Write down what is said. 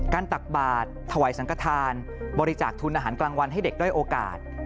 ตักบาทถวายสังกฐานบริจาคทุนอาหารกลางวันให้เด็กด้อยโอกาส